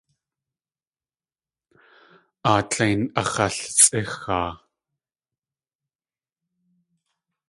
Aatlein ax̲altsʼíxaa.